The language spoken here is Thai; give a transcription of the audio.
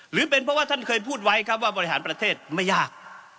หรือเป็นเพราะว่าท่านเคยพูดไว้ครับว่าบริหารประเทศไม่ยาก